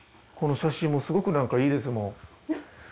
この写真もすごくなんかいいですもん。